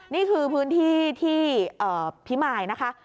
นี่คือพื้นที่ที่พิมายนะคะ